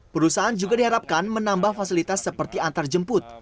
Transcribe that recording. perusahaan juga diharapkan menambah fasilitas seperti antarjemput